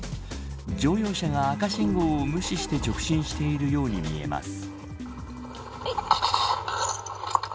乗用車が、赤信号を無視して直進しているように見えます。